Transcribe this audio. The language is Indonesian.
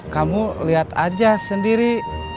kamu liat aja sendiri